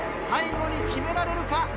最後に決められるか？